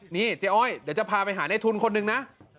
นี่เจ๊อ้อยเดี๋ยวจะพาไปหาในทุนคนหนึ่งนะ